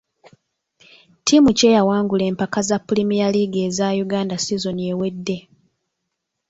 Ttiimu ki eyawangula empaka za pulimiya liigi eza Uganda sizoni ewedde.